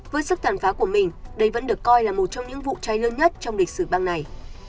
với sức tàn phá của mình đây vẫn được coi là một trong những vụ cháy lớn nhất trong lịch sử bang này